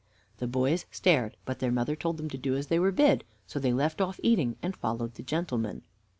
The boys stared, but their mother told them to do as they were bid, so they left off eating and followed the gentleman.